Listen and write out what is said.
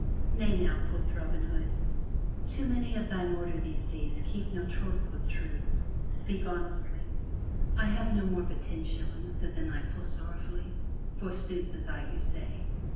"Nay now," quoth Robin Hood, "too many of thine order these days keep no troth with Truth.. Speak honestly/* "I have no more but ten shillings,*' said the Knight full sor rowfully, "for sooth as I you say!